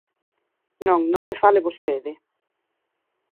Non, non me fale vostede.